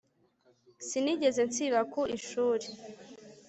Sinigeze nsiba ku ishuri